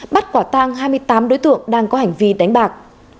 bắt quả tang hai mươi tám đối tượng đang có hành vi đánh bạc